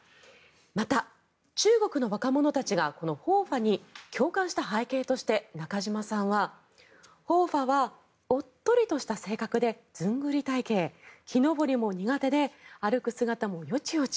また、中国の若者たちが和花に共感した背景として中島さんは和花はおっとりとした性格でずんぐり体形木登りも苦手で歩く姿もよちよち。